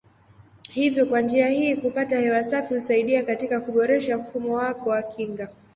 Hivyo kwa njia hii kupata hewa safi husaidia katika kuboresha mfumo wako wa kinga.